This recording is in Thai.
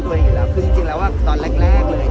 ไม่หวั่นเพราะออฟรู้ตัวเองเลย